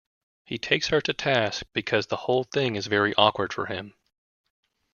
He takes her to task because the whole thing is very awkward for him.